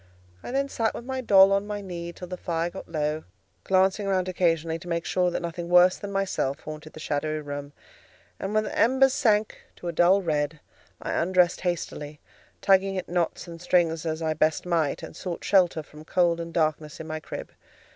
I then sat with my doll on my knee till the fire got low, glancing round occasionally to make sure that nothing worse than myself haunted the shadowy room; and when the embers sank to a dull red, I undressed hastily, tugging at knots and strings as I best might, and sought shelter from cold and darkness in my crib.